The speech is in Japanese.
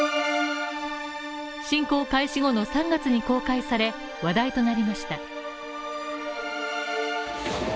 侵攻開始後の３月に公開され話題となりました。